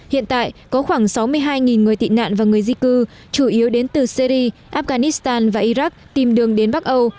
hiện tại có khoảng sáu mươi hai người tị nạn và người di cư chủ yếu đến từ syri afghanistan và iraq tìm đường đến bắc âu